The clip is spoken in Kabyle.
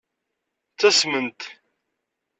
Ttasment.